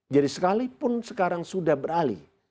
jadi sekalipun sekarang sudah beralih